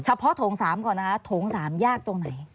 เฉพาะถงสามก่อนนะคะถงสามยากตรงไหน